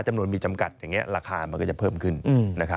จำนวนมีจำกัดอย่างนี้ราคามันก็จะเพิ่มขึ้นนะครับ